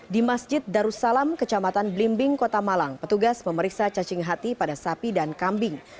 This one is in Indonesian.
di masjid darussalam kecamatan belimbing kota malang petugas memeriksa cacing hati pada sapi dan kambing